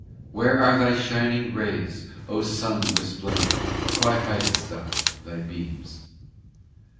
Where are Thy shining rays, Thou Sun resplendent, Why hidest Thou Thy beams